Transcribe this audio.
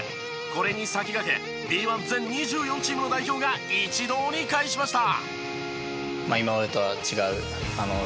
これに先駆けＢ１全２４チームの代表が一堂に会しました。